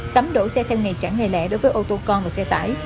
cấm đổ xe theo ngày chẳng ngày lẽ đối với ô tô con và xe tải